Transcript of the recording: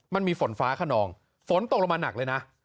มันมีฝนฟ้าขนองฝนตกลงมาหนักเลยนะ